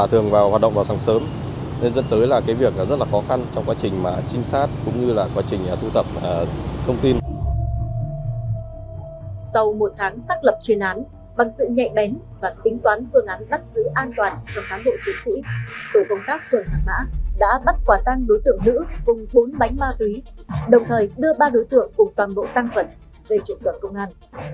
tổ công tác phường hạc mã đã bắt quả tăng đối tượng nữ cùng bốn bánh ma túy đồng thời đưa ba đối tượng cùng toàn bộ tăng phẩm về trụ sở công an